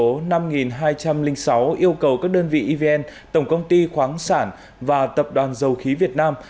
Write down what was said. cung cầu các đơn vị evn tổng công ty khoáng sản và tập đoàn dầu khí việt nam